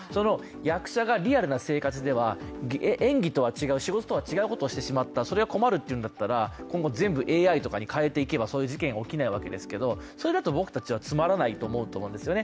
役者がリアルな生活では、演技とは違う、仕事とは違うことをしてしまった、それは困るというんだったら今後、全部ＡＩとかに変えていけばそういう事件は起きないわけですけどそれだと僕たちはつまらないと思うと思うんですね。